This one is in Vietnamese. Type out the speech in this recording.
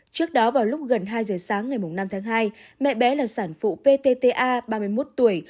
trước đó vào lúc gần hai giờ sáng ngày năm tháng hai mẹ bé là sản phụ ptta ba mươi một tuổi